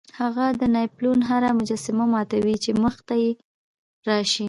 هغه د ناپلیون هره مجسمه ماتوي چې مخې ته راشي.